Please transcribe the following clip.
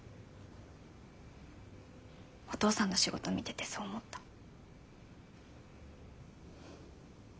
お父さんの仕事見ててそう思った。